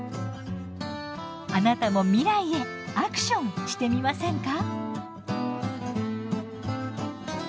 あなたも未来へ「アクション」してみませんか？